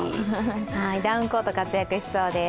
ダウンコート活躍しそうです。